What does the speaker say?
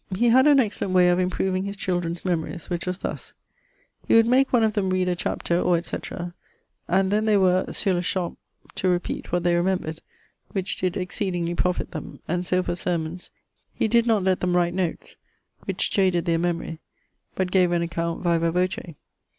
_ He had an excellent way of improving his children's memories, which was thus: he would make one of them read a chapter or &c., and then they were (sur le champ) to repeate what they remembred, which did exceedingly profitt them; and so for sermons, he did not let them write notes (which jaded their memorie), but gave an account vivâ voce.